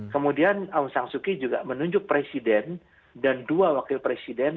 kemudian aung san suu kyi juga menunjuk presiden dan dua wakil presiden